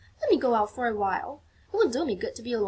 "Let me go out for a little while; it will do me good to be alone."